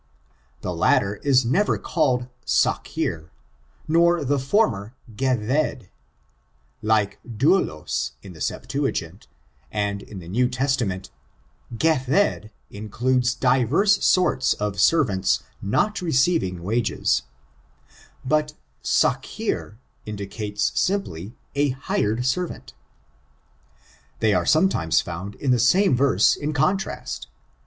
The latter is never called saohew, nor the fonaer gehved. Like doulot, in the Septuagint, and in the New Testament, gehved includes divers sortM of servants 90t receiving wages; byt mcheer indicates simply a hired servant They are sometimes found in the same verse, im con Irast.